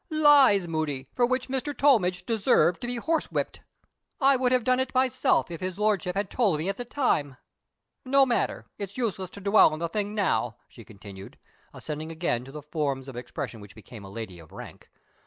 "Lies, Moody, for which Mr. Tollmidge deserved to be horsewhipped. I would have done it myself if his Lordship had told me at the time. No matter; it's useless to dwell on the thing now," she continued, ascending again to the forms of expression which became a lady of rank.